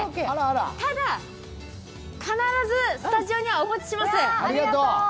ただ、必ずスタジオにはお持ちします。